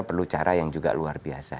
perlu cara yang juga luar biasa